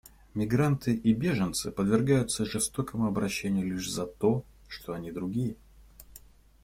Мигранты и беженцы подвергаются жестокому обращению лишь за то, что они другие.